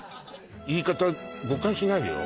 言い方誤解しないでよ